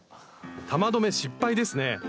玉留め失敗ですね。